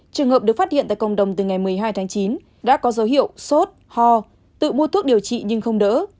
trường hợp được phát hiện tại cộng đồng từ ngày một mươi hai tháng chín đã có dấu hiệu sốt ho tự mua thuốc điều trị nhưng không đỡ